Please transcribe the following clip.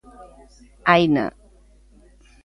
Haina.